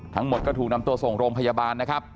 ทั้งหมดก็ถูกนำตัวส่งโรงพยาบาลนะครับ